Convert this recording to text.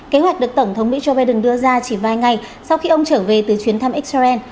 kế hoạch được tổng thống mỹ joe biden đưa ra chỉ vài ngày sau khi ông trở về từ chuyến thăm israel